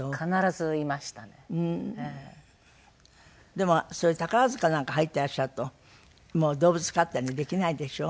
でもそれ宝塚なんか入ってらっしゃるともう動物飼ったりできないでしょ？